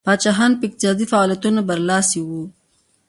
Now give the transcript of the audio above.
پاچاهان په اقتصادي فعالیتونو برلاسي وو.